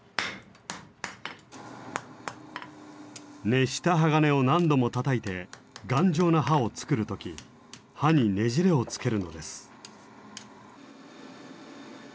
熱した鋼を何度もたたいて頑丈な刃を作る時刃にねじれをつけるのです。